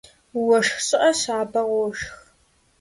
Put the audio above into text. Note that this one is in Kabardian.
Уэшх щӀыӀэ щабэ къошх.